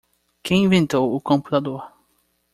Quem inventou o computador?